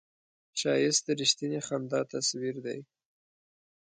ښایست د رښتینې خندا تصویر دی